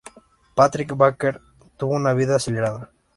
Patrick Bakker tuvo una vida acelerada.